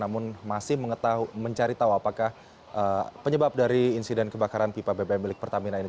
namun masih mencari tahu apakah penyebab dari insiden kebakaran pipa bbm milik pertamina ini